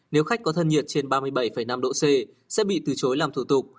nếu khách có thân nhiệt trên ba mươi bảy năm độ c sẽ bị từ chối làm thủ tục